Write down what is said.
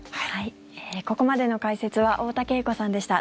ここまでの解説は太田景子さんでした。